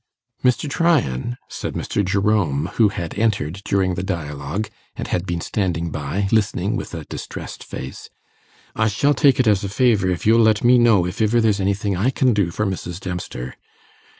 'Mr. Tryan,' said Mr. Jerome, who had entered during the dialogue, and had been standing by, listening with a distressed face, 'I shall take it as a favour if you'll let me know if iver there's anything I can do for Mrs. Dempster.